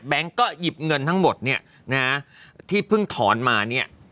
ก็หยิบเงินทั้งหมดเนี่ยนะฮะที่เพิ่งถอนมาเนี่ย